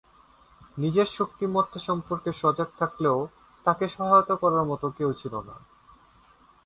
নিজের শক্তিমত্তা সম্পর্কে সজাগ থাকলেও তাকে সহায়তা করার মতো কেউ ছিল না।